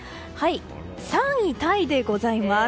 ３位タイでございます。